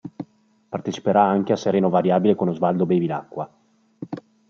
Parteciperà anche a Sereno variabile con Osvaldo Bevilacqua.